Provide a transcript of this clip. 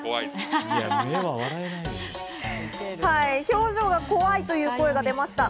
表情が怖いという声が出ました。